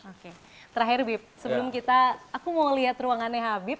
oke terakhir bip sebelum kita aku mau lihat ruangannya habib